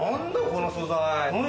この素材。